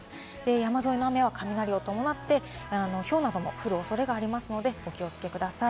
山沿いの雨は雷を伴ってひょうなども降るおそれがありますのでお気をつけください。